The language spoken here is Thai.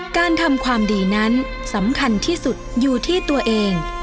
การทำความดีนั้นสำคัญที่สุดอยู่ที่ตัวเอง